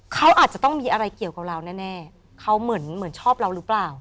เขาอาจจะต้องมีอะไรเกี่ยวกับเราแน่เขาเหมือนชอบเราหรือเปล่า